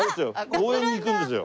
応援に行くんですよ